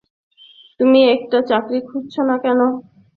তুমি একটা চাকরি খুঁজছো না কেন?